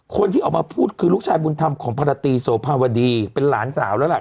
คนที่ออกมาพูดคือลูกชายบุญธรรมของภรรยาตีโสภาวดีเป็นหลานสาวแล้วล่ะ